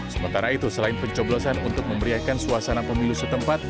sementara itu selain pencoblosan untuk memberiakan suasana pemilu setempat